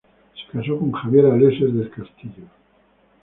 Se casó con Javiera Lesser del Castillo.